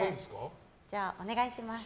じゃあ、お願いします。